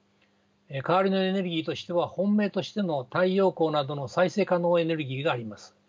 代わりのエネルギーとしては本命としての太陽光などの再生可能エネルギーがあります。